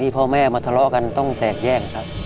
พ่อแม่มาทะเลาะกันต้องแตกแยกครับ